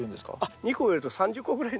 ２個植えると３０個ぐらいになるからです。